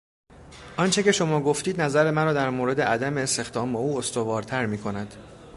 آنچه که شما گفتید نظر مرا در مورد عدم استخدام او استوارتر میکند.